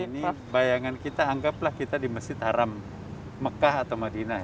ini bayangan kita anggaplah kita di masjid haram mekah atau madinah